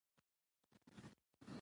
اوړي د افغانانو د معیشت سرچینه ده.